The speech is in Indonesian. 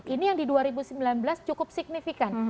ini yang di dua ribu sembilan belas cukup signifikan